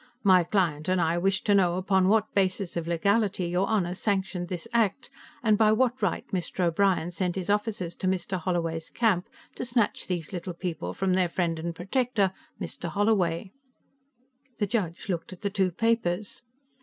"My client and I wish to know upon what basis of legality your Honor sanctioned this act, and by what right Mr. O'Brien sent his officers to Mr. Holloway's camp to snatch these little people from their friend and protector, Mr. Holloway." The judge looked at the two papers.